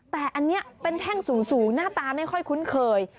แต่อันนี้เป็นแท่งสูงหน้าตาไม่ค่อยคุ้นเคย